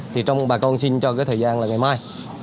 thì trong bà con xin cho cái thời gian là ngày mai